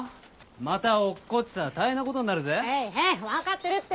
また落っこちたら大変なことになるぜ。へいへい分かってるって。